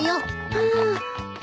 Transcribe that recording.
ああ。